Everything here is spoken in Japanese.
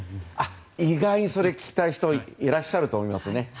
意外にそれ聞きたい人いらっしゃると思いますね。